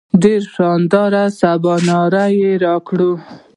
ډېر شانداره سباناری راکړ.